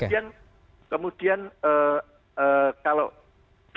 kemudian kemudian kalau yang berikutnya